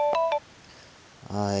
はい。